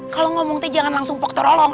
kalau ngomong teh jangan langsung pok terolong